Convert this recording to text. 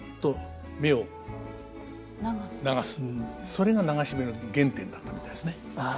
それが流し目の原点だったみたいですね。